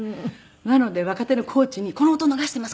なので若手のコーチに「この音を逃しています」